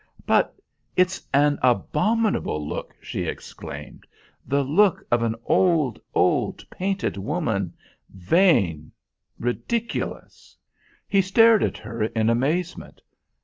"But it's an abominable look," she exclaimed. "The look of an old, old, painted woman, vain, ridiculous." He stared at her in amazement.